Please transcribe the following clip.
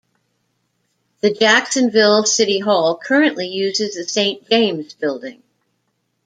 The Jacksonville City Hall currently uses the Saint James Building.